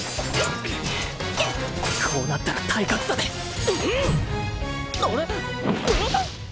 こうなったら体格差であれ？